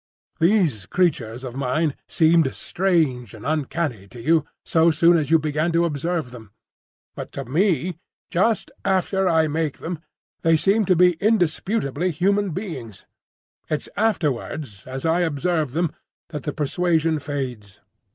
These creatures of mine seemed strange and uncanny to you so soon as you began to observe them; but to me, just after I make them, they seem to be indisputably human beings. It's afterwards, as I observe them, that the persuasion fades.